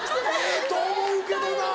ええと思うけどな。